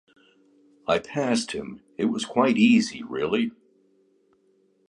I passed him - it was quite easy really.